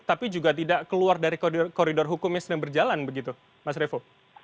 tapi juga tidak keluar dari koridor hukum yang sedang berjalan begitu mas revo